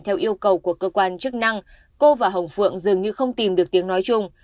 theo yêu cầu của cơ quan chức năng cô và hồng phượng dường như không tìm được tiếng nói chung